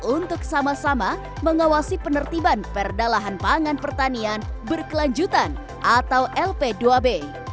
untuk sama sama mengawasi penertiban perda lahan pangan pertanian berkelanjutan atau lp dua b